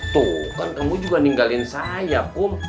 tuh kan kamu juga ninggalin saya pun